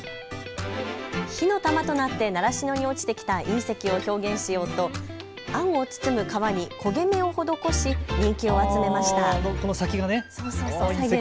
火の玉となって習志野に落ちてきた隕石を表現しようとあんを包むかわに焦げ目を施し人気を集めました。